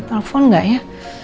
telfon gak ya